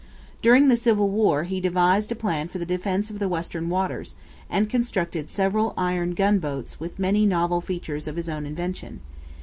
During the civil war he devised a plan for the defence of the Western waters, and constructed several iron gun boats with many novel features of his own invention.